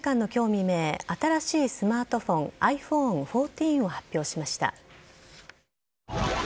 未明新しいスマートフォンｉＰｈｏｎｅ１４を発表しました。